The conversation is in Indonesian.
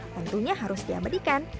tentunya harus diambil